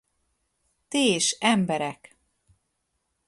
Ti is, emberek!